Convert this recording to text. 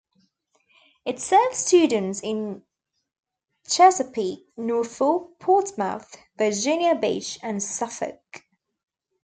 It serves students in Chesapeake, Norfolk, Portsmouth, Virginia Beach, and Suffolk.